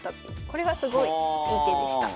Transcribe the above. これがすごいいい手でした。